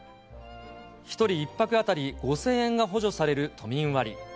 １人１泊当たり５０００円が補助される都民割。